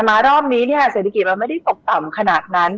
และรอบนี้เศรษฐกิจไม่ได้ตกต่ำขนาดนั้น